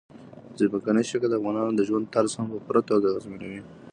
ځمکنی شکل د افغانانو د ژوند طرز هم په پوره توګه اغېزمنوي.